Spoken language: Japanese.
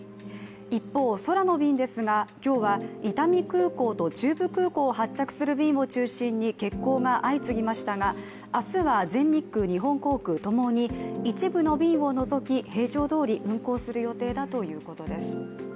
一方、空の便ですが今日は伊丹空港と中部空港を発着する便を中心に欠航が相次ぎましたが明日は全日空、日本航空共に一部の便を除き平常どおり運航するということです。